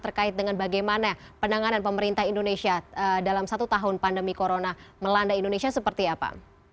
terkait dengan bagaimana penanganan pemerintah indonesia dalam satu tahun pandemi corona melanda indonesia seperti apa